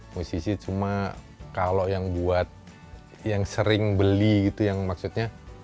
musisi cuma kalau yang buat yang sering beli gitu yang maksudnya